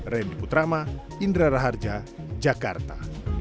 randy putrama indra raharja jakarta